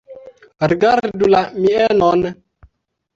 Rigardu la mienon!